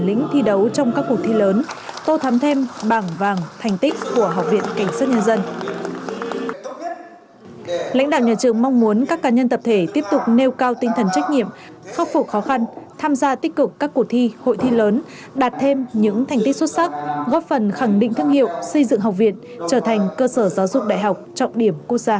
lãnh đạo nhà trường mong muốn các cá nhân tập thể tiếp tục nêu cao tinh thần trách nhiệm khắc phục khó khăn tham gia tích cực các cuộc thi hội thi lớn đạt thêm những thành tích xuất sắc góp phần khẳng định thương hiệu xây dựng học viện trở thành cơ sở giáo dục đại học trọng điểm quốc gia